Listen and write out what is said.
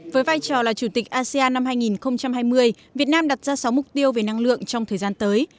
với vai trò là chủ tịch asean năm hai nghìn hai mươi việt nam đặt ra sáu mục tiêu về năng lượng trong thời gian tới